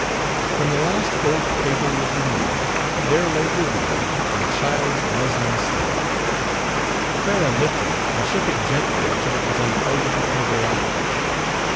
When the last fold of paper was removed there lay revealed a child's muslin slip. Clara lifted it and shook it gently until it was unfolded before their eyes.